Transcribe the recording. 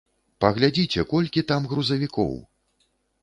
Паглядзіце, колькі там грузавікоў!